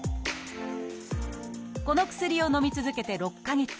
この薬をのみ続けて６か月。